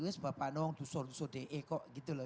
wih sebab apaan dong dusur dusur de kok gitu loh